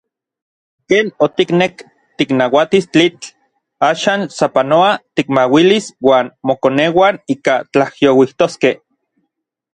Ken otiknek tiknauatis tlitl, axan sapanoa tikmauilis uan mokoneuan ika tlajyouijtoskej.